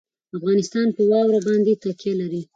افغانستان په واوره باندې تکیه لري.